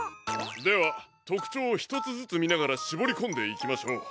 ではとくちょうをひとつずつみながらしぼりこんでいきましょう。